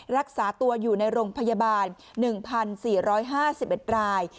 รักษาตัวอยู่ในโรงพยาบาล๑๔๕๑ราย